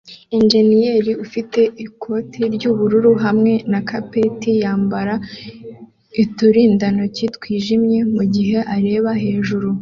Injeniyeri ufite ikoti ry'ubururu hamwe na capeti yambara uturindantoki twijimye mugihe areba hejuru